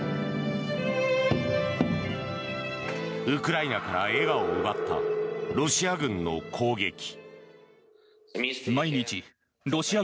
ウクライナから笑顔を奪ったロシア軍の攻撃。